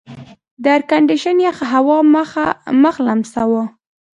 د ایرکنډېشن یخه هوا مخ لمساوه.